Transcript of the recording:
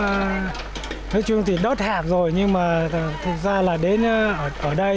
nước chung thì đất hạp rồi nhưng mà thực ra là đến ở đây